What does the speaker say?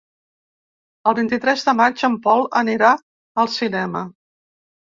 El vint-i-tres de maig en Pol anirà al cinema.